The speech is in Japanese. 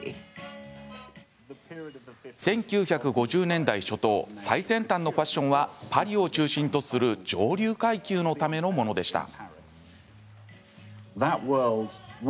１９５０年代初頭最先端のファッションはパリを中心とする上流階級のためのものでした。